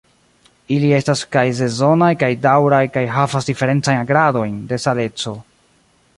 Ili estas kaj sezonaj kaj daŭraj, kaj havas diferencajn gradojn de saleco.